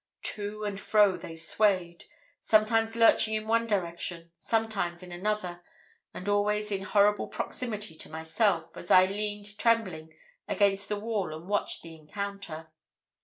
"To and fro they swayed, sometimes lurching in one direction, sometimes in another, and always in horrible proximity to myself, as I leaned trembling against the wall and watched the encounter.